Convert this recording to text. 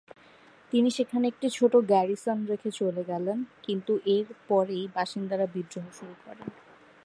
তিনি সেখানে একটি ছোট গ্যারিসন রেখে চলে গেলেন, কিন্তু এর পরেই বাসিন্দারা বিদ্রোহ শুরু করে।